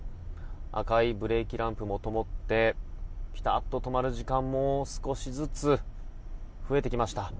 赤いブレーキランプもともってピタッと止まる時間も少しずつ増えてきました。